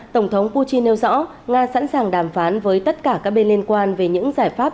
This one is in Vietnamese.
tổng thống putin nêu rõ nga sẵn sàng đàm phán với tất cả các bên liên quan về những giải pháp